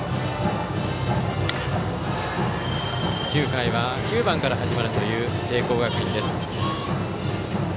９回は９番から始まるという聖光学院。